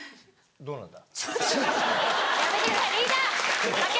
どどうなんだ？